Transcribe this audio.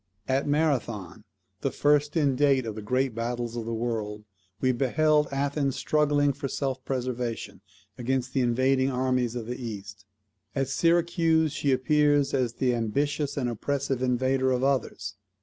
At Marathon, the first in date of the Great Battles of the World, we beheld Athens struggling for self preservation against the invading armies of the East. At Syracuse she appears as the ambitious and oppressive invader of others.